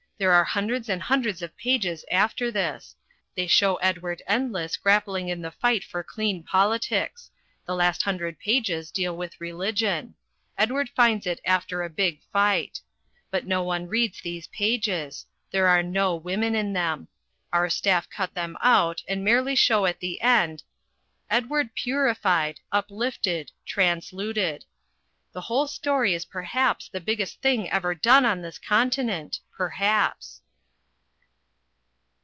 There are hundreds and hundreds of pages after this. They show Edward Endless grappling in the fight for clean politics. The last hundred pages deal with religion. Edward finds it after a big fight. But no one reads these pages. There are no women in them. Our staff cut them out and merely show at the end Edward Purified Uplifted Transluted. The whole story is perhaps the biggest thing ever done on this continent. Perhaps!)